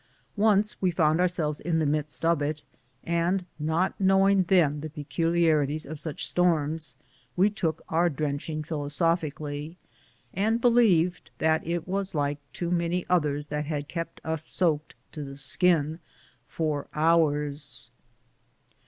Once we found ourselves in the midst of it, and not knowing then the peculiari ties of such storms, we took our drenching philosophi cally, and believed that it was like too many others that had kept us soaked to the skin for hours.